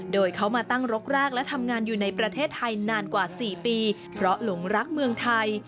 โดยเขามาตั้งรกรากและทำงานอยู่ในประเทศไทยนานกว่า๔ปีเพราะหลงรักเมืองไทย